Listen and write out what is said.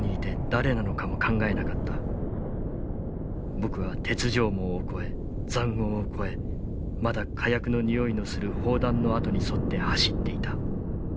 僕は鉄条網を越え塹壕を越えまだ火薬の臭いのする砲弾の跡に沿って走っていた。